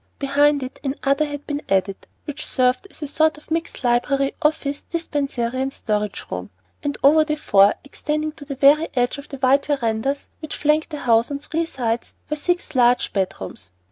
Behind it another had been added, which served as a sort of mixed library, office, dispensary, and storage room, and over the four, extending to the very edge of the wide verandas which flanked the house on three sides, were six large bedrooms.